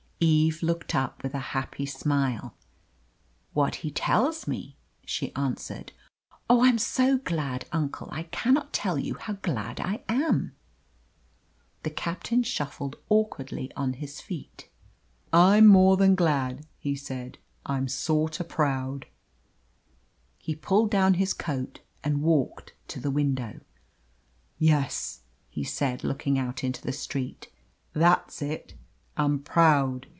Eve looked up with a happy smile. "What he tells me," she answered. "Oh, I am so glad, uncle; I cannot tell you how glad I am." The captain shuffled awkwardly on his feet. "I'm more than glad," he said. "I'm sorter proud." He pulled down his coat and walked to the window. "Yes," he said, looking out into the street. "That's it. I'm proud.